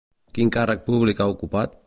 Quin càrrec públic ha ocupat?